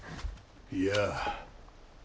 いや。